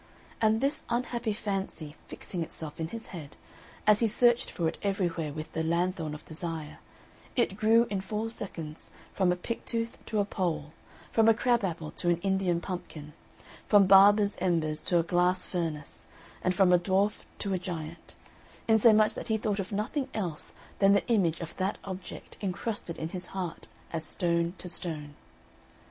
And this unhappy fancy fixing itself in his head, as he searched for it everywhere with the lanthorn of desire, it grew in four seconds from a picktooth to a pole, from a crab apple to an Indian pumpkin, from barber's embers to a glass furnace, and from a dwarf to a giant; insomuch that he thought of nothing else than the image of that object encrusted in his heart as stone to stone.